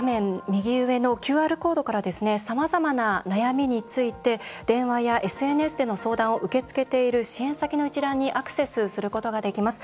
右上のＱＲコードからさまざまな悩みについて電話やＳＮＳでの相談を受け付けている支援先の一覧にアクセスすることができます。